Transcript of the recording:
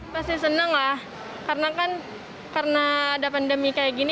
pasti senang lah karena kan karena ada pandemi kayak gini